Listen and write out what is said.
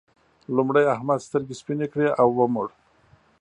لومړی احمد سترګې سپينې کړې او ومړ.